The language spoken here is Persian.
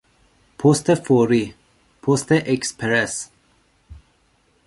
پست فوری، پست اکسپرس